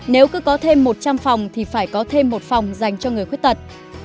nếu cứ có thêm một trăm linh phòng thì phải có thêm một phòng dành cho người khuyết tật